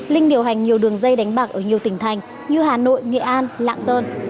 linh điều hành nhiều đường dây đánh bạc ở nhiều tỉnh thành như hà nội nghệ an lạng sơn